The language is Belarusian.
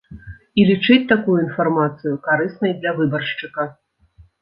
І лічыць такую інфармацыю карыснай для выбаршчыка.